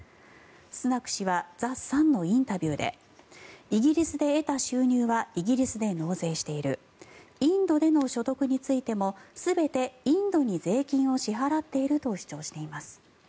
スナク氏はザ・サンのインタビューでイギリスで得た収入はイギリスで納税しているインドでの所得についても全てインドに税金を支払っていると主張しています。